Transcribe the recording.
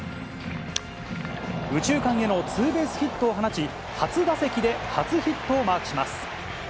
右中間へのツーベースヒットを放ち、初打席で初ヒットをマークします。